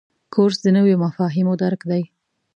کورس د نویو مفاهیمو درک دی.